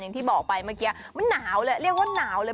อย่างที่บอกไปเมื่อกี้มันหนาวเลยเรียกว่าหนาวเลย